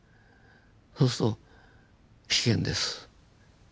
そうすると危険です。